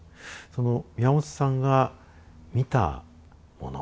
その宮本さんが見たもの